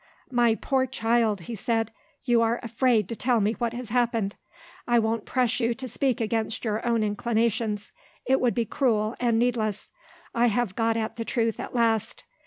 "My poor child," he said, "you are afraid to tell me what has happened. I won't press you to speak against your own inclinations. It would be cruel and needless I have got at the truth at last.